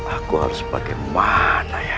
aku harus bagaimana ya